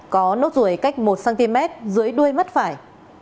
có nốt ruồi cách một cm dưới đuôi mắt phải